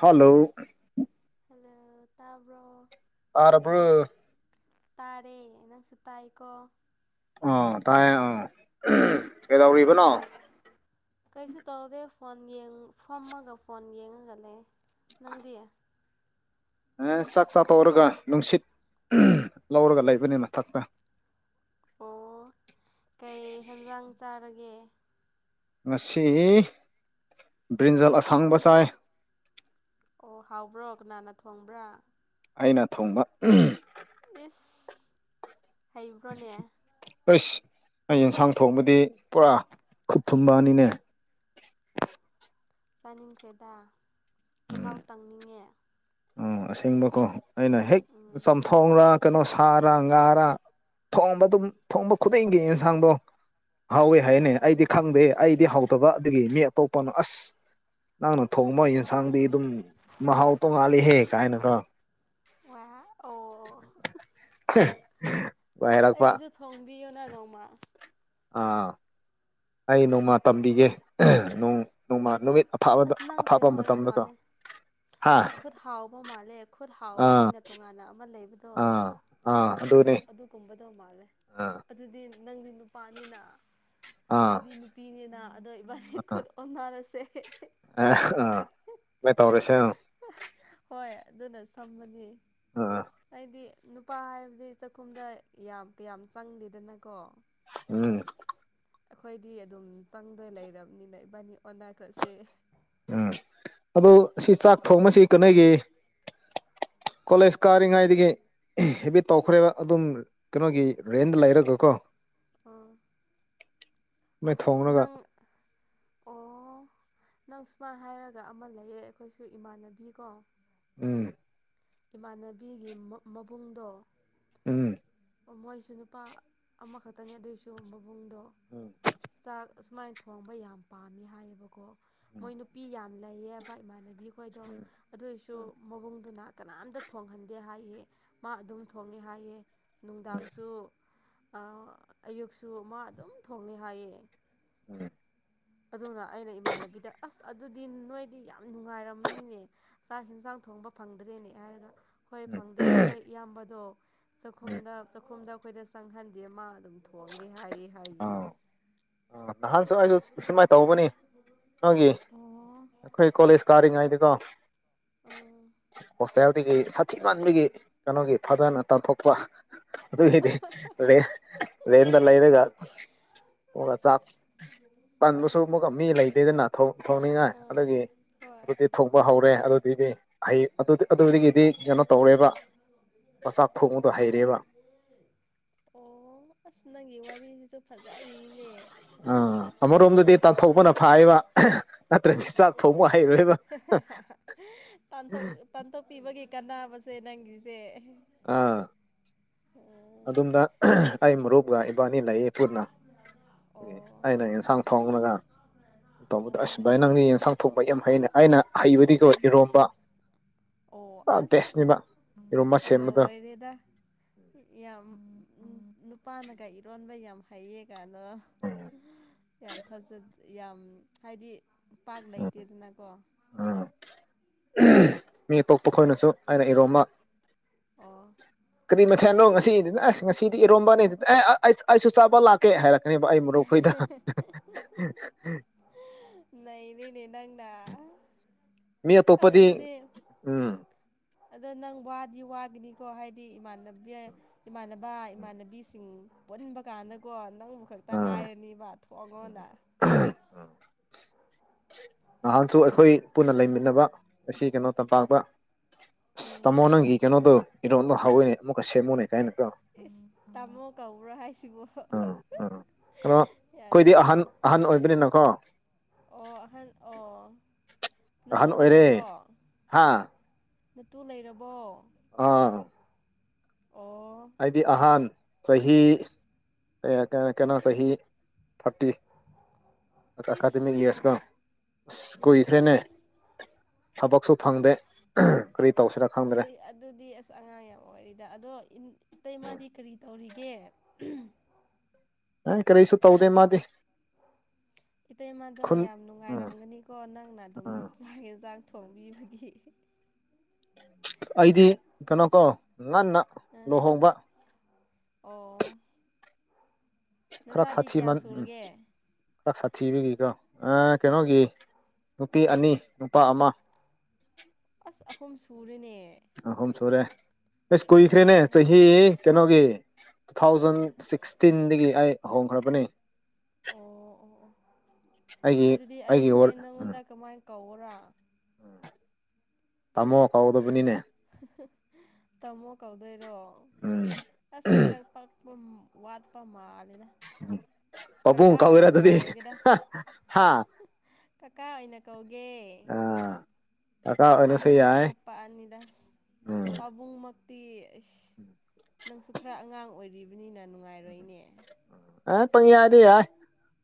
Hello hello ꯇꯥꯕ꯭ꯔꯣ ꯑꯔ ꯄꯨꯔ ꯇꯥꯔꯦ ꯅꯪꯁꯨ ꯇꯥꯏꯀꯣ ꯑ ꯇꯥꯏ ꯑꯥ ꯀꯩꯗꯧꯔꯤꯕꯅꯣ ꯀꯩꯁꯨ ꯇꯧꯗꯦ ꯐꯣꯟ ꯐꯝꯃꯒ ꯐꯣꯟ ꯌꯦꯡꯉꯒꯅꯦ ꯅꯪꯗꯤ ꯆꯥꯛ ꯆꯥꯊꯧꯔꯒ ꯅꯨꯡꯁꯤꯠ ꯂꯧꯔꯒ ꯂꯩꯕꯅꯤ ꯃꯊꯛꯇ ꯑꯣ ꯀꯩ ꯍꯦꯟꯖꯥꯡ ꯆꯥꯔꯒꯦ ꯫ ꯉꯁꯤ ꯕ꯭ꯔꯤꯟꯖꯜ ꯑꯁꯥꯡꯕ ꯆꯥꯏ ꯑꯣ ꯍꯥꯎꯕ꯭ꯔꯣ ꯀꯅꯥꯅ ꯊꯣꯡꯕ꯭ꯔꯥ ꯑꯩꯅ ꯊꯣꯡꯕ ꯑꯦꯁ ꯍꯥꯏꯕ꯭ꯔꯣꯅꯦ ꯑꯁ ꯑꯩ ꯌꯦꯟꯁꯥꯡ ꯊꯣꯡꯕꯗꯤ ꯄꯨꯔꯥ ꯈꯨꯠ ꯊꯨꯝꯕꯑꯅꯤꯅꯦ ꯆꯥꯅꯤꯡꯈ꯭ꯔꯦꯗ ꯃꯍꯥꯎ ꯇꯪꯅꯤꯡꯉꯦ ꯎꯝ ꯑꯁꯦꯡꯕꯀꯣ ꯑꯩꯅ ꯍꯦꯛ ꯎꯝ ꯆꯝꯊꯣꯡꯔꯥ ꯫ ꯀꯩꯅꯣ ꯁꯥꯔ ꯉꯥꯔ ꯊꯣꯡꯕ ꯑꯗꯨꯝ ꯊꯣꯡꯕ ꯈꯨꯗꯤꯡꯒꯤ ꯌꯦꯟꯁꯥꯡꯗꯣ ꯍꯥꯎꯋꯦ ꯍꯥꯏꯅꯦ ꯑꯥ ꯑꯩꯗꯤ ꯈꯪꯗꯦ ꯑꯩꯗꯤ ꯍꯥꯎꯗꯕ ꯑꯗꯨꯒꯤ ꯃꯤ ꯑꯇꯣꯞꯄꯅꯣ ꯑꯁ ꯅꯪꯅ ꯊꯣꯡꯕ ꯑꯣ ꯌꯦꯟꯁꯥꯡꯗꯤ ꯑꯗꯨꯝ ꯃꯍꯥꯎ ꯇꯣꯡꯉꯥꯜꯂꯤꯍꯦꯛ ꯀꯥꯏꯅ ꯈꯣ ꯑꯣ ꯑꯣ ꯍꯥꯏꯔꯛꯄ ꯑꯩꯒꯤꯁꯨ ꯊꯣꯡꯕꯤꯌꯨꯅ ꯅꯣꯡꯃ ꯑꯥ ꯑꯩ ꯅꯣꯡꯃ ꯇꯝꯕꯤꯒꯦ ꯅꯣꯡ ꯅꯣꯡꯃ ꯍꯣꯏ ꯇꯝ ꯅꯨꯃꯤꯠ ꯑꯐꯥꯕꯗ ꯑꯐꯥꯞꯕ ꯃꯇꯝꯗꯀꯣ ꯍꯥ ꯅ ꯈꯨꯠ ꯍꯥꯎꯕ ꯃꯥꯜꯂꯦ ꯈꯨꯠ ꯍꯥꯎꯕ ꯑꯥ ꯍꯥꯏꯅ ꯇꯣꯉꯥꯟꯅ ꯑꯃ ꯂꯩꯕꯗꯣ ꯑ ꯑꯗꯨꯗꯅꯦ ꯀꯨꯝꯕꯗꯧ ꯃꯥꯜꯂꯦ ꯑꯗꯨꯗꯤ ꯅꯪꯗꯤ ꯅꯨꯄꯥꯅꯤꯅ ꯑꯥ ꯑꯩꯗꯤ ꯅꯨ ꯅꯨꯄꯤꯅꯤꯅ ꯑꯗꯣ ꯏꯕꯥꯅꯤ ꯈꯨꯠ ꯑꯣꯟꯅꯔꯁꯦ ꯑꯦ ꯑꯥ ꯃꯣꯏ ꯇꯧꯔꯤꯁꯦ ꯑꯪ ꯍꯣꯏ ꯑꯗꯨꯅ ꯁꯝꯕꯅꯤ ꯑꯥ ꯑꯩꯗꯤ ꯅꯨꯄꯥ ꯍꯥꯏꯕꯗꯤ ꯆꯥꯛꯈꯨꯝꯗ ꯌꯥꯝ ꯀꯌꯥꯝ ꯆꯪꯗꯦꯗꯅꯀꯣ ꯎꯝ ꯑꯩꯈꯣꯏꯗꯤ ꯑꯗꯨꯝ ꯇꯪꯗ ꯂꯩꯔꯕꯅꯤꯅ ꯏꯕꯥꯅꯤ ꯑꯣꯟꯅ ꯈ꯭ꯔꯁꯦ ꯎꯝ ꯑꯗꯨ ꯁꯤ ꯆꯥꯛ ꯊꯣꯡꯕꯁꯤ ꯀꯩꯅꯒꯤ ꯀꯣꯂꯦꯖ ꯀꯥꯔꯤꯉꯩꯗꯒꯤ ꯍꯦꯐꯦꯠ ꯇꯧꯈ꯭ꯔꯦꯕ ꯑꯗꯨꯝ ꯀꯩꯅꯣꯒꯤ ꯔꯦꯟꯗ ꯂꯩꯔꯒꯀꯣ ꯑꯣ ꯁꯨꯃꯥꯏꯅ ꯑꯁ ꯊꯣꯡꯔꯒ ꯅꯪ ꯑꯣ ꯅꯪ ꯁꯨꯃꯥꯏꯅ ꯍꯥꯏꯔꯒ ꯑꯃ ꯂꯩꯌꯦ ꯑꯩꯈꯣꯏꯁꯨ ꯏꯃꯥꯟꯅꯕꯤꯀꯣ ꯎꯝ ꯏꯃꯥꯟꯅꯕꯤꯒꯤ ꯃꯕꯨꯡꯗꯣ ꯎꯝ ꯃꯣꯏꯁꯨ ꯅꯨꯄꯥ ꯑꯃꯈꯛꯇꯅꯤ ꯑꯗꯨꯏꯁꯨ ꯃꯕꯨꯡꯗꯣ ꯎꯝ ꯆꯥꯛ ꯁꯨꯃꯥꯏꯅ ꯫ ꯊꯣꯡꯕ ꯌꯥꯝ ꯄꯥꯝꯃꯤ ꯍꯥꯏꯌꯦꯕꯀꯣ ꯃꯣꯏ ꯅꯨꯄꯤ ꯌꯥꯝ ꯂꯩꯌꯦꯕ ꯏꯃꯥꯟꯅꯕꯤ ꯈꯣꯏꯗꯣ ꯎꯝ ꯑꯗꯨꯏꯁꯨ ꯎꯝ ꯃꯕꯨꯡꯗꯨꯅ ꯀꯅꯥꯝꯇ ꯊꯣꯡꯍꯟꯗꯦ ꯍꯥꯏꯌꯦ ꯃꯥ ꯑꯗꯨꯝ ꯊꯣꯡꯉꯦ ꯍꯥꯏꯌꯦ꯫ ꯅꯨꯡꯗꯥꯡꯁꯨ ꯑꯌꯨꯛꯁꯨ ꯃꯥ ꯑꯗꯨꯝ ꯊꯣꯡꯉꯦ ꯍꯥꯏꯌꯦ ꯎꯝ꯫ ꯑꯗꯨꯅ ꯑꯩꯅ ꯏꯃꯥꯟꯅꯕꯤꯗ ꯑꯁ ꯑꯗꯨꯗꯤ ꯅꯣꯏꯗꯤ ꯌꯥꯝ ꯅꯨꯡꯉꯥꯏꯔꯝꯅꯤꯅꯦ ꯫ ꯆꯥꯛ ꯌꯦꯟꯁꯥꯡ ꯊꯣꯡꯕ ꯐꯪꯗ꯭ꯔꯦꯅꯦ ꯍꯥꯏꯔꯒ ꯍꯣꯏ ꯐꯪꯗꯦ ꯑꯩꯈꯣꯏ ꯏꯌꯥꯝꯕꯗꯣ ꯎꯝ ꯆꯥꯛꯈꯨꯝꯗ ꯆꯥꯛꯈꯨꯝꯗ ꯑꯩꯈꯣꯏꯗ ꯆꯪꯍꯟꯗꯦ ꯃꯥ ꯑꯗꯨꯝ ꯊꯣꯡꯒꯦ ꯍꯥꯏꯌꯦ ꯍꯥꯏꯌꯦ ꯑꯥ ꯑ ꯅꯍꯥꯟꯁꯨ ꯑꯩꯁꯨ ꯁꯨꯃꯥꯏ ꯇꯧꯕꯅꯤ ꯫ ꯅꯪꯒꯤ ꯑꯣ ꯑꯩꯈꯣꯏ ꯀꯣꯂꯦꯖ ꯀꯥꯔꯤꯉꯩꯗꯤꯀꯣ ꯫ ꯑꯥ ꯍꯣꯁꯇꯦꯜꯗꯒꯤ ꯁꯥꯊꯤꯃꯟꯕꯒꯤ ꯀꯩꯅꯣꯒꯤ ꯐꯥꯗꯔꯅ ꯇꯥꯟꯊꯣꯛꯄ ꯫ ꯑꯩꯈꯣꯏꯗꯤ ꯔꯦ ꯔꯦꯟꯗꯂꯩꯔꯒ ꯑꯃꯨꯛꯀ ꯆꯥꯛ ꯑꯁ ꯇꯟꯕꯁꯨ ꯑꯃꯨꯛꯀ ꯃꯤ ꯂꯩꯇꯦꯗꯅ ꯊꯣ- ꯊꯣꯡꯅꯤꯡꯉꯥꯏ ꯑꯥ ꯑꯗꯨꯗꯒꯤ ꯍꯣꯏ ꯑꯗꯨꯒꯤ ꯫ ꯊꯣꯛꯄ ꯍꯧꯔꯦ ꯑꯗꯨꯗꯤ ꯍꯩ ꯑꯗꯨꯗꯒꯤꯗꯤ ꯀꯩꯅꯣ ꯇꯧꯔꯦꯕ ꯃꯆꯥꯛ ꯑꯣ꯫ ꯊꯣꯡꯕꯗꯣ ꯍꯩꯔꯦꯕ ꯑꯣ ꯑꯁ ꯅꯪꯒꯤ ꯋꯥꯔꯤꯁꯤꯁꯨ ꯐꯖꯔꯤꯅꯦ꯫ ꯑꯥ ꯑꯃꯔꯣꯝꯗꯗꯤ ꯇꯥꯟꯊꯣꯛꯄꯅ ꯐꯥꯏꯕ ꯅꯠꯇ꯭ꯔꯗꯤ ꯆꯥꯛ ꯊꯣꯡꯕ ꯍꯩꯔꯣꯏꯕ ꯄꯊꯣ ꯄꯥꯟꯊꯣꯛꯄꯤꯕꯒꯤ ꯀꯥꯟꯅꯕꯁꯦ ꯅꯪꯒꯤꯁꯦ ꯑꯥ ꯎꯝ ꯑꯗꯨꯝꯗ ꯑꯩ ꯃꯔꯨꯞꯞꯒ ꯏꯕꯅꯤ ꯂꯩꯌꯦ ꯄꯨꯟꯅ ꯑꯣ ꯑꯩꯅ ꯌꯦꯟꯁꯡ ꯊꯣꯡꯂꯒ ꯇꯧꯕꯗꯣ ꯏꯁ ꯑꯣ ꯚꯥꯏ ꯅꯪꯗꯤ ꯌꯦꯟꯁꯥꯡ ꯊꯣꯡꯕ ꯌꯥꯝ ꯍꯩꯅ ꯑꯩꯅ ꯫ ꯍꯩꯕꯗꯤꯀꯣ ꯏꯔꯣꯝꯕ ꯑꯣ ꯕꯦꯁꯅꯤꯕ ꯏꯔꯣꯝꯕ ꯁꯦꯝꯕ ꯂꯣꯏꯔꯣꯗ ꯌꯥꯝ ꯅꯨꯄꯥꯅꯒ ꯏꯔꯣꯟꯕ ꯌꯥꯝ ꯍꯩꯌꯦ ꯀꯅ ꯌꯥꯝ ꯊꯖꯦ ꯌꯥꯝ ꯍꯥꯏꯗꯤ ꯄꯥꯛ ꯂꯩꯇꯦꯗꯅꯀꯣ ꯎꯝ ꯃꯤ ꯑꯇꯣꯞꯄ ꯈꯣꯏꯅꯁꯨ ꯑꯩꯅ ꯏꯔꯣꯝꯃ ꯑꯣ ꯀꯔꯤ ꯃꯊꯦꯜꯅꯣ ꯉꯁꯤꯗꯤ ꯑꯁ ꯉꯁꯤꯗꯤ ꯏꯔꯣꯝꯕꯅꯤꯗꯤ ꯑꯦ ꯑꯩ ꯑꯩꯁꯨ ꯆꯥꯕ ꯂꯥꯛ ꯀꯩ ꯍꯥꯏꯔꯛꯀꯅꯦꯕ ꯑꯩ ꯃꯔꯨꯞ ꯈꯣꯏꯗ ꯫ ꯅꯩꯔꯦꯅꯦ ꯅꯪꯅ ꯃꯤ ꯑꯁ ꯑꯇꯣꯞꯄꯗꯤ ꯑꯗꯨꯗꯤ꯫ ꯎꯝ ꯑꯗꯣ ꯅꯪ ꯋꯥꯗꯤ ꯋꯥꯒꯅꯤꯀꯣ ꯍꯥꯏꯗꯤ ꯏꯃꯥꯟꯅꯕꯤ ꯏꯃꯥꯟꯅꯕ ꯏꯃꯥꯟꯅꯕꯤꯁꯤꯡ ꯄꯨꯟꯕ ꯀꯥꯟꯗ ꯀꯣ ꯅꯪꯕꯨ ꯈꯛꯇ ꯎꯝ ꯍꯥꯏꯔꯅꯤꯕ ꯊꯣꯛꯑꯉꯣꯟꯗ ꯅꯍꯥꯟꯁꯨ ꯑꯩꯈꯣꯏ ꯄꯨꯟꯅ ꯂꯩꯃꯤꯟꯅꯕ ꯑꯁꯤ ꯀꯩꯅꯣ ꯇꯝꯄꯥꯛꯄ ꯑꯁ ꯇꯥꯃꯣ ꯅꯪꯒꯤ ꯀꯩꯅꯣꯗꯣ ꯏꯔꯣꯟꯗꯣ ꯍꯥꯎꯏꯅꯦ ꯑꯃꯨꯛꯀ ꯁꯦꯝꯃꯨꯅꯦ ꯀꯥꯏꯅ ꯀꯣ ꯏꯁ ꯇꯥꯃꯣ ꯀꯧꯕ꯭ꯔꯣ ꯍꯥꯏꯁꯤꯕꯣ ꯎꯝ ꯎꯝ ꯀꯩꯅꯣ ꯌꯥꯗꯦ ꯑꯩꯈꯣꯏꯗꯤ ꯑꯍꯟ ꯑꯍꯟ ꯑꯣꯏꯕꯅꯤꯅꯀꯣ ꯑꯣ ꯑꯍꯟ ꯑꯣ ꯑꯍꯟ ꯅꯇꯨ ꯑꯣꯏꯔꯦ ꯂꯩꯔꯕꯣ ꯍꯥ ꯅꯇꯨ ꯂꯩꯔꯕꯣ ꯑꯥ ꯑꯣ ꯗꯤ ꯑꯍꯥꯟ ꯆꯍꯤ ꯀꯩꯅꯣ ꯆꯍꯤ ꯊꯥꯔꯇꯤ ꯑꯦꯀꯥꯗꯃꯤꯛ ꯏꯁ ꯏꯌꯥꯔꯁꯀꯣ ꯑꯁ ꯀꯨꯏꯈ꯭ꯔꯦꯅꯦ ꯑꯁ ꯊꯕꯛꯁꯨ ꯐꯪꯗꯦ ꯀꯔꯤ ꯇꯧꯁꯤꯔꯥ ꯈꯪꯗ꯭ꯔꯦ ꯆꯩ ꯑꯗꯨꯗꯤ ꯑꯁ ꯑꯉꯥꯡ ꯌꯥꯝ ꯑꯣꯏꯔꯤꯗ ꯑꯗꯣ ꯏꯇꯩꯃꯗꯤ ꯀꯔꯤ ꯇꯧꯔꯤꯒꯦ ꯑ ꯀꯔꯤꯁꯨ ꯇꯧꯗꯦ ꯃꯗꯤ ꯏꯇꯩꯃꯥꯗꯣ ꯌꯥꯝ ꯎꯝ ꯅꯨꯡꯉꯥꯏꯔꯝꯒꯅꯤꯀꯣ ꯅꯪꯅ ꯑꯗꯨꯝ ꯎꯝ ꯆꯥꯡ ꯑꯦꯟꯁꯥꯡ ꯊꯣꯡꯕꯤꯕꯒꯤ ꯑꯩꯗꯤ ꯀꯩꯅꯣ ꯀꯣ ꯅꯟꯅ ꯑꯣ ꯀꯔꯥꯛ ꯅꯆꯥꯗꯤ ꯁꯥꯇꯤ ꯀꯌꯥ ꯃꯥꯟ ꯎ ꯁꯨꯔꯒꯦ ꯁꯥꯊꯤꯕꯒꯤꯀꯣ ꯀꯩꯅꯣꯒꯤ ꯅꯨꯄꯤ ꯑꯅꯤ ꯅꯨꯄꯥ ꯑꯃ ꯑꯁ ꯑꯍꯨꯝ ꯁꯨꯔꯦꯅꯦ ꯑꯍꯣꯝ ꯁꯨꯔꯦ ꯏꯁ ꯂꯣꯟ ꯀꯨꯏꯈ꯭ꯔꯦꯅꯦ ꯆꯍꯤ ꯀꯩꯅꯣꯒꯤ ꯇꯨ ꯊꯥꯎꯖꯟ ꯁꯤꯛꯁꯇꯤꯟꯗꯒꯤ ꯑꯩ ꯍꯣꯡꯈ꯭ꯔꯕꯅꯤ ꯑꯣ ꯑꯣ ꯑꯣ ꯑꯩꯒꯤ ꯑꯗꯨꯗꯤ ꯑꯩꯒꯤ ꯑꯩꯁꯦ ꯋꯥꯔ ꯅꯪꯉꯣꯟꯗ ꯀꯃꯥꯏꯅ ꯀꯧꯋꯣꯔꯥ ꯇꯥꯃꯣꯀꯥꯎꯗ ꯄꯅꯤꯅꯦ ꯇꯥꯝꯃꯣ ꯀꯧꯗꯣꯏꯔꯣ ꯎꯝ ꯑꯁ ꯈꯔ ꯄꯛ ꯋꯥꯠꯄ ꯃꯥꯜꯂꯤꯅ ꯄꯄꯨꯡ ꯀꯕꯨꯔꯦ ꯑꯗꯨꯗꯤ ꯀꯧꯔꯒꯦꯗ ꯍꯥ ꯀꯀꯥ ꯑꯣꯏꯅ ꯀꯧꯒꯦ ꯑꯥ ꯀꯀꯥ ꯑꯣꯏꯅꯁꯨ ꯑꯗꯨꯅ ꯌꯥꯏ ꯈꯔ ꯄꯥꯛꯑꯅꯤꯗꯥꯁ ꯎꯝ ꯄꯥꯕꯨꯡꯃꯛ ꯗꯤ ꯑꯁ ꯅꯪꯁꯨ ꯈꯔ ꯑꯉꯥꯡ ꯑꯣꯏꯔꯤꯕꯅꯤꯅ ꯅꯨꯡꯉꯥꯏꯔꯣꯏꯅꯦ ꯑ ꯄꯪ ꯌꯥꯗ ꯌꯥꯏ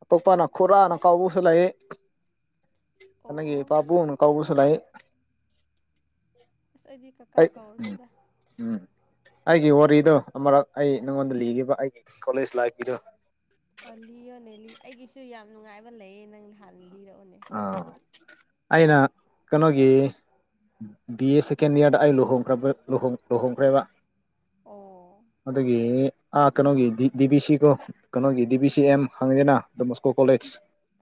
ꯑꯇꯣꯄꯅ ꯈꯨꯔꯥꯅ ꯀꯥꯎꯕꯁꯨ ꯂꯩ ꯑꯗꯒꯤ ꯑꯣ ꯄꯥꯕꯨꯡꯅ ꯀꯥꯎꯕꯁꯨ ꯂꯩ ꯑꯁ ꯑꯩꯗꯤꯀꯛ ꯑꯩ ꯎꯝ ꯎꯝ ꯑꯩꯒꯤ ꯋꯥꯔꯤꯗꯣ ꯑꯃꯨꯔꯛ ꯑꯩ ꯎꯝ ꯅꯪꯉꯣꯟꯗ ꯂꯤꯈꯤꯕ ꯑꯩꯒꯤ ꯀꯣꯂꯦꯖ ꯂꯥꯏꯐꯀꯤꯗꯣ ꯑꯣ ꯂꯤꯌꯅꯦ ꯂꯤ ꯑꯩꯒꯤꯁꯨ ꯌꯥꯝ ꯅꯨꯡꯉꯥꯏꯕ ꯂꯩꯌꯦ ꯅꯪ ꯍꯥꯟꯅ ꯂꯤꯔꯛꯑꯣꯅꯦ ꯑꯩꯔ ꯀꯩꯅꯣꯒꯤ ꯕꯤ ꯑꯦꯁ ꯀꯦꯟꯗꯤꯌꯥꯗ ꯑ ꯂꯨꯍꯣꯡꯈ꯭ꯔ ꯂꯍꯣ ꯂꯨꯍꯣꯡꯈ꯭ꯔꯦꯕ ꯑꯣ ꯑꯗꯨꯒꯤ ꯑꯥ ꯀꯩꯅꯣꯒꯤ ꯗꯤ ꯕꯤ ꯁꯤ ꯀꯣ ꯀꯩꯅꯣꯒꯤ ꯗꯤ ꯕꯤ ꯁꯤ ꯑꯦꯝ ꯍꯪꯉꯦꯅ ꯗꯣꯟ ꯕꯣꯁꯀꯣ ꯀꯣꯂꯦꯖ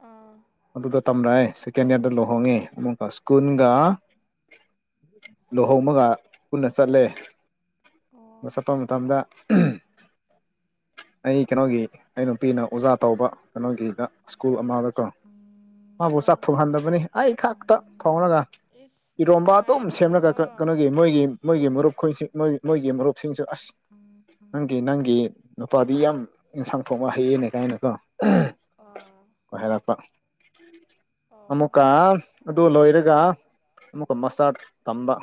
ꯑꯥ ꯑꯗꯨꯗ ꯇꯝꯂꯛꯑꯦ ꯁꯦꯀꯦꯟ ꯏꯌꯥꯔꯗ ꯂꯨꯍꯣꯡꯉꯤ ꯑꯗꯨꯒ ꯁ꯭ꯀꯨꯟꯒ ꯑꯣ ꯂꯨꯍꯣꯡꯕꯒ ꯄꯨꯟꯅ ꯆꯠꯂꯦ ꯑꯣ ꯆꯠꯄ ꯃꯇꯝꯗ ꯑꯩ ꯀꯩꯅꯣꯒꯤ ꯑꯩ ꯅꯨꯄꯤꯅ ꯑꯣꯖꯥ ꯇꯧꯕ ꯀꯩꯅꯣꯒꯤꯗ ꯁ꯭ꯀꯨꯜ ꯑꯃꯗꯀꯣ ꯃꯕꯨ ꯑꯣ ꯆꯥꯛꯊꯣꯛꯍꯟꯗꯕꯅꯤ ꯑꯩ ꯈꯥꯛꯇ ꯊꯣꯡꯔꯒ ꯏꯁ ꯏꯔꯣꯝꯕꯇꯣꯝ ꯅꯨꯡꯉꯥꯏꯔꯝꯒꯅꯤꯀꯣ ꯁꯦꯝꯂꯒ ꯀꯩꯅꯣꯒꯤ ꯃꯣꯏꯒꯤ ꯃꯣꯏꯒꯤ ꯃꯔꯨꯞ ꯈꯣꯏꯁꯤꯡ ꯃꯣꯏ ꯃꯣꯏꯒꯤ ꯃꯔꯨꯞꯁꯤꯡꯁꯨ ꯑꯁ ꯑꯣꯝ ꯎꯝ ꯅꯪꯒꯤ ꯅꯪꯒꯤ ꯅꯨꯄꯥꯗꯤ ꯌꯥꯝ ꯏꯟꯁꯥꯡ ꯊꯣꯛꯕ ꯍꯩꯌꯦꯅꯦ ꯀꯥꯏꯅꯀꯣ ꯑꯥ ꯫ ꯍꯥꯏꯔꯛꯄ ꯑꯣ ꯑꯃꯨꯛꯀ ꯑꯁ ꯑꯗꯨ ꯂꯣꯏꯔꯒ ꯎꯝ ꯫ ꯑꯃꯨꯛꯀ ꯃꯥꯁꯇꯔ ꯇꯝꯕ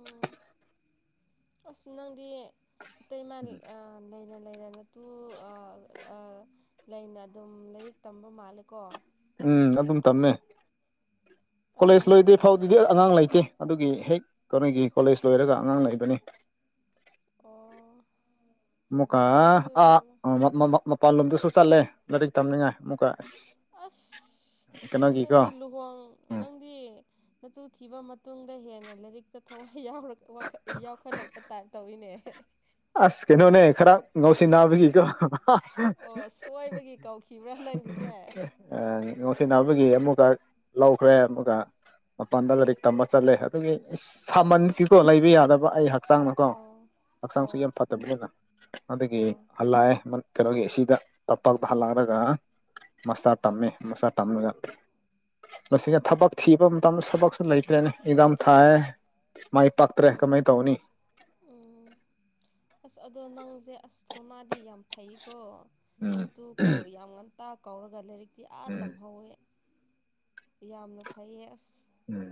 ꯎꯝ ꯑꯁ ꯅꯪꯗꯤ ꯏꯇꯩꯃꯥ ꯂꯩꯅ ꯂꯩꯅ ꯅꯇꯨ ꯑ ꯑ ꯂꯩꯅ ꯑꯗꯨꯝ ꯂꯥꯏꯔꯤꯛ ꯇꯝꯕ ꯃꯥꯜꯂꯦꯀꯣ ꯎꯝ ꯑꯗꯨꯝ ꯇꯝꯃꯦ ꯑꯗꯣ ꯀꯣꯂꯦꯖ ꯂꯣꯏꯗ꯭ꯔꯤ ꯐꯥꯎ ꯫ ꯑꯗꯨꯗꯤ ꯑꯉꯥꯡ ꯂꯩꯇꯦ ꯑꯗꯨꯒꯤ ꯍꯦꯛ ꯀꯩꯅꯣꯒꯤ ꯀꯣꯂꯦꯖ ꯂꯣꯏꯔꯒ ꯑꯉꯥꯡ ꯂꯩꯕꯅꯤ ꯑꯣ꯫ ꯑꯃꯨꯛꯀ ꯑꯗꯨꯁꯨ ꯑꯥ ꯃꯄꯥꯟꯂꯣꯝꯗꯁꯨ ꯆꯠꯂꯦ ꯂꯥꯏꯔꯤꯛ ꯇꯝꯅꯤꯡꯉꯥꯏ ꯑꯃꯨꯛꯀ ꯑꯁ ꯑꯁ ꯀꯩꯅꯣꯒꯤꯀꯣ ꯅꯪꯗꯤ ꯂꯨꯍꯣꯡ ꯎꯝ ꯅꯪꯗꯤ ꯅꯇꯨ ꯊꯤꯕ ꯃꯇꯨꯡꯗ ꯍꯦꯟꯅ ꯂꯥꯏꯔꯤꯛꯇ ꯊꯋꯥꯏ ꯌꯥ ꯌꯥꯎꯈꯠꯂꯛꯄ ꯇꯥꯏꯞ ꯇꯧꯋꯦꯅꯦ ꯑꯁ ꯀꯩꯅꯣꯅꯦ ꯈꯔ ꯉꯧꯁꯤ ꯅꯥꯕꯒꯤꯀꯣ ꯑꯣ ꯁꯣꯏꯕꯒꯤ ꯀꯧꯈꯤꯕ꯭ꯔꯥ ꯅꯪꯒꯤꯁꯦ ꯅꯨꯡꯁꯤꯅꯕꯒꯤ ꯑꯃꯨꯛꯀ ꯂꯧꯈ꯭ꯔꯦ ꯑꯃꯨꯛꯀ ꯃꯄꯥꯟꯗ ꯂꯥꯏꯔꯤꯛ ꯇꯝꯕ ꯆꯠꯂꯦ ꯑꯗꯨꯒꯤ ꯑꯣ ꯁꯥꯃꯈꯤꯀꯣ ꯂꯩꯕ ꯌꯥꯗꯕ ꯑꯩ ꯍꯛꯆꯥꯡꯅꯀꯣ ꯑꯣ ꯍꯛꯆꯥꯡꯁꯤ ꯌꯥꯝ ꯑꯣ ꯐꯠꯇꯕꯅꯤꯅ ꯑꯗꯒꯤ ꯑꯣ ꯍꯜꯂꯛꯑꯦ ꯀꯩꯅꯣꯒꯤ ꯑꯁꯤꯗ ꯇꯞꯄꯗ ꯍꯜꯂꯛꯑꯂꯒ ꯃꯁꯇꯥ ꯇꯝꯃꯦ ꯃꯆꯥ ꯇꯝꯔꯒ ꯃꯁꯤꯅ ꯊꯕꯛ ꯊꯤꯕ ꯃꯇꯝꯗ ꯊꯕꯛꯁꯨ ꯂꯩꯇ꯭ꯔꯦꯅꯦ ꯑꯦꯛꯖꯥꯝ ꯊꯥꯏ ꯃꯥꯏ ꯄꯥꯛꯇ꯭ꯔꯦ ꯀꯃꯥꯏ ꯇꯧꯅꯤ ꯑꯣ ꯑꯁ ꯑꯗꯣ ꯅꯪꯖꯦ ꯑꯁ ꯊꯧꯅꯥꯗꯤ ꯌꯥꯝ ꯐꯩꯀꯣ ꯎꯝ ꯅꯇꯨ ꯀꯧ ꯌꯥꯝ ꯉꯝ ꯇꯥ ꯀꯧꯔꯒ ꯂꯥꯏꯔꯤꯛꯇꯤ ꯑꯥ ꯎꯝ ꯇꯝꯍꯧꯋꯦ ꯌꯥꯝꯅ ꯐꯩꯌꯦ ꯑꯁ ꯎꯝ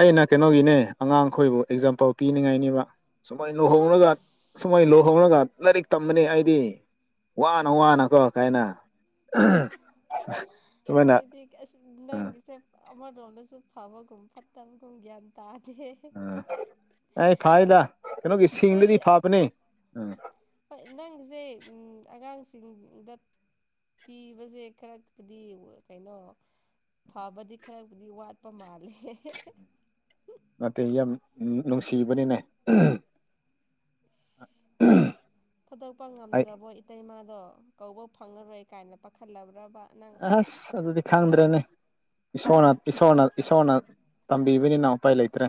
ꯑꯩꯅ ꯀꯩꯅꯣꯒꯤꯅꯦ ꯑꯉꯥꯡꯈꯣꯏꯕꯨ ꯑꯦꯛꯖꯥꯝꯄꯜ ꯄꯤꯅꯤꯡꯉꯥꯏꯅꯦꯕ ꯁꯨꯃꯩ ꯂꯨꯍꯣꯡꯔꯒ ꯑꯁ ꯁꯨꯃꯥꯏꯅ ꯂꯨꯍꯧꯔꯒ ꯂꯥꯏꯔꯤꯛ ꯇꯝꯕꯅꯤ ꯑꯩꯗꯤ ꯋꯥꯅ ꯋꯥꯅꯀꯣ ꯀꯥꯏꯅ ꯁꯨꯃꯥꯏꯅ ꯑꯩꯗꯤ ꯑꯥ ꯅꯪꯒꯤꯁꯦ ꯑꯃꯔꯣꯝꯗꯁꯨ ꯐꯕꯒꯨꯝ ꯐꯠꯇꯕꯒꯨꯝ ꯒ꯭ꯌꯥꯟ ꯇꯥꯗꯦ ꯎꯝ ꯑꯩ ꯐꯥꯏꯗ ꯀꯅꯣꯒꯤ ꯅꯪ ꯁꯤꯡꯗꯗꯤ ꯐꯕꯅꯦ ꯎꯝ ꯍꯣꯏ ꯅꯪꯖꯦ ꯑꯝ ꯑꯉꯥꯡꯁꯤꯡꯗꯠ ꯇꯤꯕꯖꯦ ꯈꯔꯄꯨꯠꯗꯤ ꯋ ꯀꯩꯅꯣ ꯐꯥꯕꯗꯤ ꯈꯔꯕꯨꯗꯤ ꯋꯥꯠꯄ ꯃꯥꯂꯦ ꯅꯇꯩ ꯌꯥꯝ ꯅꯨꯡꯁꯤꯕꯅꯤꯅꯦ ꯎꯝ ꯊꯥꯗꯣꯛꯄ ꯑꯩ ꯉꯝꯗ꯭ꯔꯕꯣ ꯏꯇꯩꯃꯥꯗꯣ ꯀꯧꯕ ꯐꯪꯉꯔꯣꯏ ꯀꯥꯏꯅ ꯄꯥꯈꯠꯂꯕ꯭ꯔꯕ ꯅꯪ ꯑ ꯑꯁ ꯑꯗꯨꯗꯤ ꯈꯪꯗ꯭ꯔꯦꯅꯦ ꯏꯁꯣꯔꯅ ꯏꯁꯣꯔꯅ ꯏꯁꯣꯔꯅ ꯇꯝꯕꯤꯕꯅꯤꯅ ꯎꯄꯥꯏ ꯂꯩꯇ꯭ꯔꯦ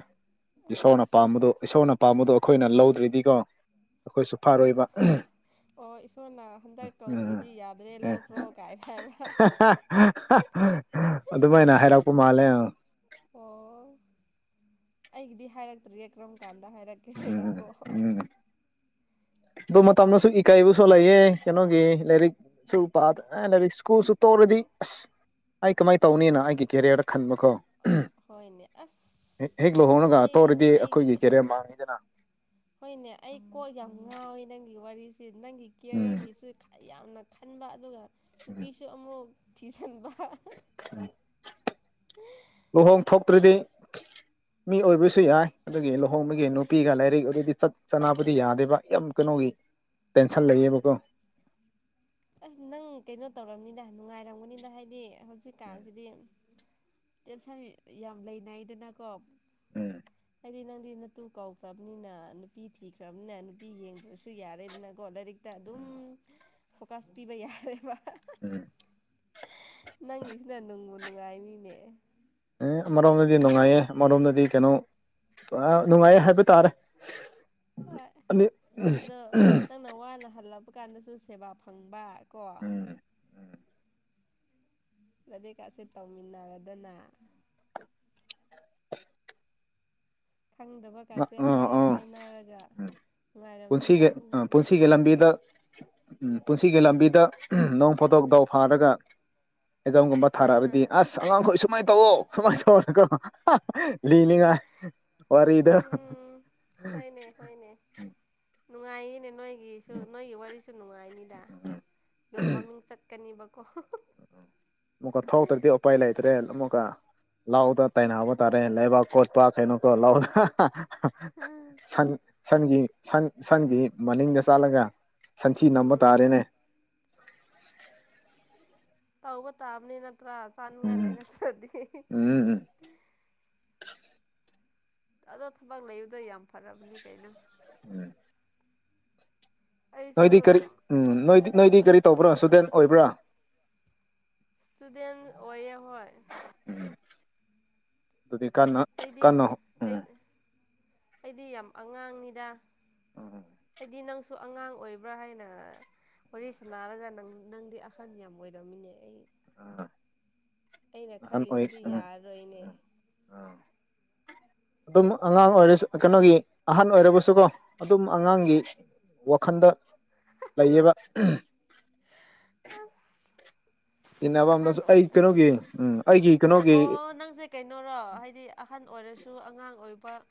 ꯏꯁꯣꯔꯅ ꯑꯁ ꯄꯥꯝꯕꯗꯣ ꯏꯁꯣꯔꯅ ꯄꯥꯝꯕꯗꯣ ꯑꯈꯣꯏꯅ ꯂꯧꯗ꯭ꯔꯤꯗꯤꯀꯒꯣ ꯑꯈꯣꯏꯁꯨ ꯐꯥꯔꯣꯏꯕ ꯑꯥ ꯑꯣ ꯏꯁꯣꯔꯅ ꯍꯟꯗꯛ ꯎꯝ ꯀꯧꯗ꯭ꯔꯗꯤ ꯌꯥꯗ꯭ꯔꯦ ꯂꯧꯈ꯭ꯔꯣ ꯀꯥꯏ ꯍꯥꯏꯕ ꯍ ꯑꯗꯨꯃꯥꯏꯅ ꯍꯥꯏꯔꯛꯄ ꯃꯥꯜꯂꯦ ꯑꯣ ꯑꯩꯒꯤꯗꯤ ꯍꯥꯏꯔꯛꯇ꯭ꯔꯤꯌꯦ ꯀꯔꯝ ꯀꯥꯟꯗ ꯍꯥꯏꯔꯛꯀꯦꯗ ꯎꯝ ꯀꯣ ꯑꯗꯣ ꯃꯇꯝꯅꯁꯨ ꯏꯀꯥꯏꯕ ꯁꯣ ꯂꯩꯌꯦ ꯀꯩꯅꯣꯒꯤ ꯂꯥꯏꯔꯤꯛ ꯁꯨ ꯄ ꯔꯤꯁꯀꯨ ꯁꯨ ꯇꯣꯔꯗꯤ ꯑꯩ ꯀꯃꯥꯏ ꯇꯧꯅꯤꯅ ꯑꯩꯒꯤ ꯀꯦꯔꯤꯌꯔꯗ ꯈꯟꯕꯀꯣ ꯍꯣꯏꯅꯦ ꯑꯁ ꯍꯦꯛ ꯂꯨꯍꯣꯡꯅꯒ ꯑꯩ ꯇꯧꯔꯗꯤ ꯑꯩꯒꯤ ꯑꯩꯈꯣꯏꯒꯤ ꯀꯦꯔꯤꯌꯔ ꯃꯥꯡꯉꯤꯗꯅ ꯍꯣꯏꯅꯦ ꯑꯩ ꯀꯣ ꯌꯥꯝ ꯉꯥꯎꯋꯤ ꯅꯪꯒꯤ ꯋꯥꯔꯤꯁꯤ ꯅꯪꯒꯤ ꯎꯝ ꯀꯤꯌꯔꯒꯤꯁꯨ ꯌꯥꯝꯅ ꯈꯟꯕ ꯑꯗꯨꯒ ꯅꯨꯄꯤꯁꯨ ꯑꯃꯨꯛ ꯊꯤꯖꯤꯟꯕ [inaudible] [unintelligible] ꯂꯨꯍꯣꯡ ꯊꯣꯛꯇ꯭ꯔꯗꯤ ꯃꯤ ꯑꯣꯏꯕꯁꯨ ꯌꯥꯏ ꯑꯗꯨꯒꯤ ꯂꯨꯍꯣꯡꯕꯒꯤ ꯅꯨꯄꯤꯒ ꯂꯥꯏꯔꯤꯛ ꯑꯗꯨꯗꯤ ꯆꯠ ꯆꯥꯅꯕꯗꯤ ꯌꯥꯗꯦꯕ ꯌꯥꯝ ꯀꯩꯅꯣꯒꯤ ꯇꯦꯟꯁꯟ ꯑꯣ ꯂꯩꯌꯦꯕꯀꯣ ꯑꯁ ꯅꯪ ꯀꯩꯅꯣ ꯇꯧꯔꯝꯅꯤꯗ ꯅꯨꯡꯉꯥꯏꯔꯝꯒꯅꯤꯗ ꯍꯥꯏꯗꯤ ꯍꯧꯖꯤꯛꯀꯥꯟꯁꯤꯗꯤ ꯇꯦꯟꯁꯟ ꯌꯥꯝ ꯂꯩꯅꯥꯏꯗꯅꯀꯣꯞ ꯎꯝ ꯍꯥꯏꯗꯤ ꯅꯪꯗꯤ ꯅꯠ ꯇꯨ ꯀꯧꯈ꯭ꯔꯕꯅꯤꯅ ꯅꯨꯄꯤ ꯊꯤꯈ꯭ꯔꯕꯅꯤꯅ ꯅꯨꯄꯤ ꯌꯦꯡꯗ꯭ꯔꯁꯨ ꯌꯥꯔꯦꯗꯅꯀꯣ ꯂꯥꯏꯔꯤꯛꯇ ꯑꯗꯨꯝ ꯐꯣꯀꯥꯁ ꯄꯤꯕ ꯌꯥꯔꯦꯕ ꯎꯝ ꯅꯪꯒꯤꯁꯤꯅ ꯅꯨꯡꯕꯨ ꯅꯨꯡꯉꯥꯏꯅꯤꯅꯦ ꯑꯦ ꯑꯃꯔꯣꯝꯗꯗꯤ ꯅꯨꯡꯉꯥꯏꯌꯦ ꯑꯃꯣꯝꯗꯗꯤ ꯀꯩꯅꯣ ꯕ ꯅꯨꯡꯉꯥꯏ ꯍꯥꯏꯕ ꯇꯥꯔꯦ ꯍꯣꯏ ꯑꯅꯤ ꯑꯗꯣ ꯅꯪꯅ ꯋꯥꯅ ꯍꯜꯂꯕ ꯀꯥꯟꯗꯁꯨ ꯁꯦꯕꯥ ꯐꯪꯕ ꯀꯣ ꯎꯝ ꯂꯗꯦꯀꯥꯁꯦ ꯇꯧꯃꯤꯟꯅꯔꯗꯅ ꯈꯪꯗꯕ ꯀꯥꯁꯦ ꯑꯥ ꯍꯥꯏ ꯑꯥ ꯍꯥꯏꯅꯔꯒ ꯅꯨꯡꯉꯥꯏꯔꯝꯅꯤꯗ ꯑꯗꯨ ꯑꯗꯨꯁꯨ ꯕꯤꯗ ꯄꯨꯟꯁꯤꯒꯤ ꯂꯝꯕꯤꯗ ꯅꯣꯡ ꯐꯣꯗꯣꯛ ꯗꯥꯎ ꯐꯥꯔꯒ ꯑꯦꯖꯥꯝꯒꯨꯝꯕ ꯊꯥꯔꯛꯑꯕꯗꯤ ꯑꯥ ꯑꯁ ꯑꯉꯥꯡꯈꯣꯏ ꯁꯨꯃꯥꯏꯅ ꯇꯧꯑꯣ ꯁꯨꯃꯥꯏꯅ ꯇꯧꯅꯤꯀꯣ [unintelligible] ꯂꯤꯅꯤꯡꯉꯥꯏ ꯋꯥꯔꯤꯗ ꯎꯝ ꯍꯣꯏꯅꯦ ꯍꯣꯏꯅꯦ ꯅꯨꯡꯉꯥꯏꯌꯦꯅꯦ ꯅꯣꯏ ꯒꯤꯁꯨ ꯅꯣꯏ ꯋꯥꯔꯤꯁꯨ ꯅꯨꯡꯉꯥꯏꯅꯤꯗ ꯑꯗꯨꯝ ꯃꯃꯤꯡ ꯆꯠꯀꯅꯤꯕꯀꯣ ꯑꯃꯨꯛꯀ ꯊꯥꯎꯇ꯭ꯔꯗꯤ ꯎꯄꯥꯏ ꯂꯩꯇ꯭ꯔꯦ ꯑꯃꯨꯛꯀ ꯂꯥꯎꯗ ꯇꯥꯏꯅꯕ ꯇꯥꯔꯦ ꯂꯩꯕꯥꯛ ꯀꯣꯠꯄ ꯀꯩꯅꯣꯀꯣ ꯂꯥꯎꯔꯒ ꯁꯡ ꯁꯟꯒꯤ ꯁꯟ ꯁꯟꯒꯤ ꯃꯅꯤꯡꯗ ꯆꯥꯂꯒ ꯁꯟꯊꯤ ꯅꯝꯕ ꯎꯝ ꯇꯥꯔꯦꯅꯦ ꯇꯧꯕ ꯇꯥꯕꯅꯤ ꯅꯠꯇ꯭ꯔ ꯆꯅꯉꯥꯏ ꯂꯩ ꯎꯝ ꯔꯛꯇ꯭ꯔꯗꯤ ꯎꯝ ꯎꯝ ꯑꯗꯣ ꯊꯕꯛ ꯂꯩꯕꯗꯣ ꯌꯥꯝ ꯐꯔꯕꯅꯤ ꯀꯩꯅꯣ [inaudible] ꯑꯩꯁꯨ ꯅꯣꯏꯗꯤ ꯀꯔꯤ ꯎꯝ ꯅꯣꯏꯗꯤ ꯅꯣꯏꯗꯤ ꯀꯔꯤ ꯇꯧꯕ꯭ꯔꯣ ꯁꯨꯗꯦꯟ ꯑꯣꯏꯕ꯭ꯔꯥ ꯏꯁꯇꯨꯗꯦꯟ ꯑꯣꯏꯌꯦ ꯍꯣꯏ ꯗꯨꯗꯤ ꯀꯟꯅ ꯀꯟꯅ ꯎꯝ ꯑꯩꯗ ꯑꯩꯗꯤ ꯌꯥꯝ ꯑꯉꯥꯡꯅꯤꯗ ꯎꯝ ꯑꯩꯗꯤ ꯅꯪꯁꯨ ꯁꯣ ꯑꯉꯥꯡ ꯑꯣꯏꯕ꯭ꯔꯥ ꯍꯥꯏꯅ ꯋꯥꯔꯤ ꯁꯥꯟꯅꯔꯒ ꯅꯪ ꯅꯪꯗꯤ ꯑꯍꯟ ꯌꯥꯝ ꯑꯣꯏꯔꯝꯃꯤꯅꯦ ꯑꯩ ꯎꯝ ꯑꯩꯅ ꯈꯜꯂꯤꯁꯤꯗꯤ ꯌꯥꯔꯔꯣꯏꯅꯦ ꯑꯥ ꯑꯗꯨꯝ ꯑꯉꯥꯡ ꯑꯣꯏꯔꯁꯨ ꯀꯩꯅꯣꯒꯤ ꯑꯍꯟ ꯑꯣꯏꯔꯕꯁꯨ ꯀꯣ ꯑꯗꯨꯝ ꯑꯥ ꯑꯉꯥꯡꯒꯤ ꯋꯥꯈꯟꯗ ꯂꯩꯌꯦꯕ ꯑꯁ ꯑꯍꯟ ꯇꯤꯟꯅꯕꯝꯗꯁꯨ ꯑꯩ ꯀꯩꯅꯣꯒꯤ ꯎꯝ ꯑꯩꯒꯤ ꯀꯩꯅꯣꯒꯤ ꯑꯣ ꯅꯪꯁꯦ ꯀꯩꯅꯣꯔꯣ ꯍꯥꯏꯗꯤ ꯑꯍꯟ ꯑꯣꯏꯔꯁꯨ ꯑꯉꯥꯡ ꯑꯣꯏꯕ